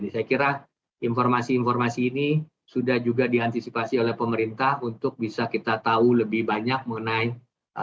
saya kira informasi informasi ini sudah diantisipasi oleh pemerintah untuk bisa kita tahu lebih banyak mengenai keadaan ini dan penyebabnya